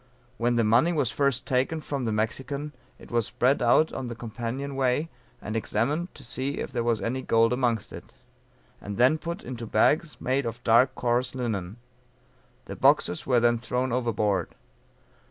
When the money was first taken from the Mexican, it was spread out on the companion way and examined to see if there was any gold amongst it; and then put into bags made of dark coarse linen; the boxes were then thrown overboard.